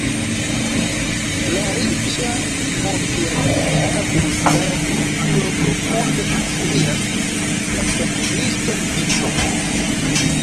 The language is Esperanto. La riĉa multjarcenta bulgara kulturo profunde inspiras la pentriston Mitov.